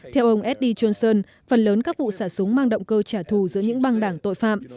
theo ông edy johnson phần lớn các vụ xả súng mang động cơ trả thù giữa những băng đảng tội phạm